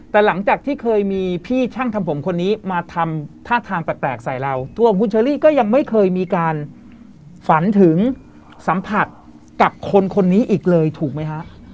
แต่หลังจากที่เคยมีพี่ช่างทำผมคนนี้มาทำท่าทางแปลกใส่เราตัวของคุณเชอรี่ก็ยังไม่เคยมีการฝันถึงสัมผัสกับคนคนนี้อีกเลยถูกไหมฮะ